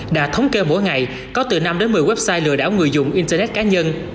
đã thống kê mỗi ngày có từ năm đến một mươi website lừa đảo người dùng internet cá nhân